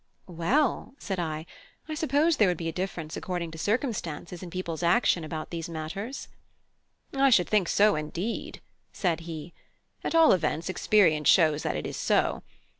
"Well," said I, "I suppose there would be a difference according to circumstances in people's action about these matters." "I should think so, indeed," said he. "At all events, experience shows that it is so.